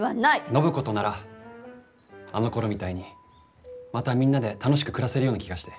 暢子とならあのころみたいにまたみんなで楽しく暮らせるような気がして。